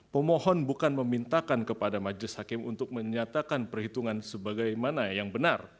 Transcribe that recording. pemohon bukan memintakan kepada majelis hakim untuk menyatakan perhitungan sebagaimana yang benar